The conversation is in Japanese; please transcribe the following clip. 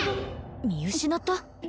見失った！？